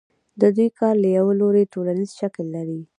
د دوی کار له یوه لوري ټولنیز شکل لري